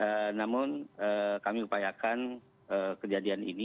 eee namun eee kami upayakkan eee kejadian ini